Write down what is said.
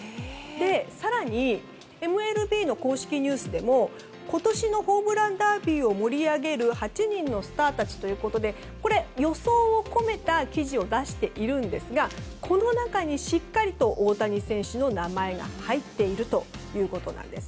更にＭＬＢの公式ニュースでも今年のホームランダービーを盛り上げる８人のスターたちということでこれ予想を込めた記事を出しているんですがこの中にしっかりと大谷選手の名前が入っているということなんです。